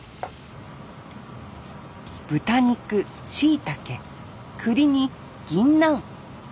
豚肉しいたけくりにぎんなん。